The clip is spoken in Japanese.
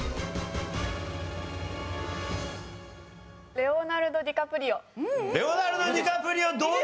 レオナルド・ディカプリオどうだ？